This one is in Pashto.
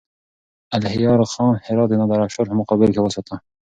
الهيار خان هرات د نادرافشار په مقابل کې وساته.